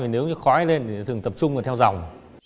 nếu như khói lên thì thường tập trung vào theo dòng